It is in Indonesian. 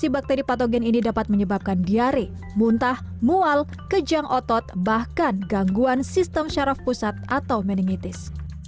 bakteri patogen ini dapat menyebabkan diare muntah mual kejang otot bahkan gangguan sistem syaraf pusat atau meningitis